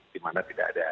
di mana tidak ada